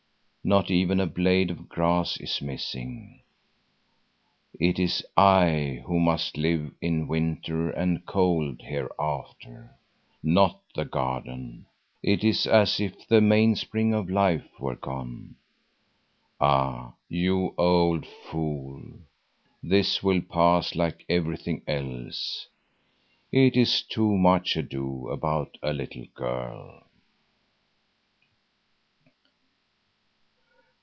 Not even a blade of grass is missing. It is I who must live in winter and cold hereafter, not the garden. It is as if the mainspring of life were gone. Ah, you old fool, this will pass like everything else. It is too much ado about a little girl."